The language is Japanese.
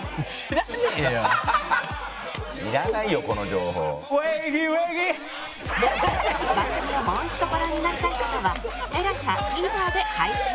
番組をもう一度ご覧になりたい方は ＴＥＬＡＳＡＴＶｅｒ で配信